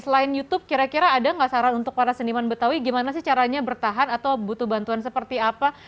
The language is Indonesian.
selain youtube kira kira ada nggak saran untuk para seniman betawi gimana sih caranya bertahan atau butuh bantuan seperti apa